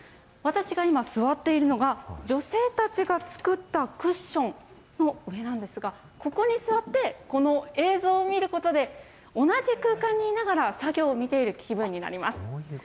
私が今、座っているのが、女性たちが作ったクッションの上なんですが、ここに座って、この映像を見ることで、同じ空間にいながら作業を見ている気分になります。